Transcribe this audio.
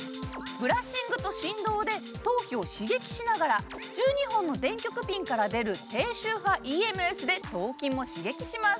ブラッシングと振動で頭皮を刺激しながら１２本の電極から出る低周波ＥＭＳで頭筋を刺激します。